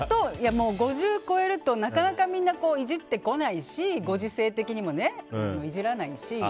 もう５０を超えるとなかなかみんないじってこないしご時世的にもね、いじらないし。